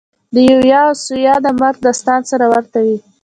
د یویا او ثویا د مرګ داستان سره ورته وي.